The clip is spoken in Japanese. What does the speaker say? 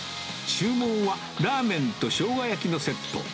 注文はラーメンとしょうが焼きのセット。